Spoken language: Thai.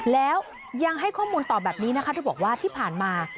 แล้วยังให้ข้อมูลตอบแบบนี้นะคะเธอบอกว่าที่ผ่านมา